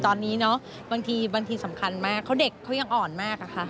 ตอนนี้เนาะบางทีสำคัญมากเขาเด็กเขายังอ่อนมากอะค่ะ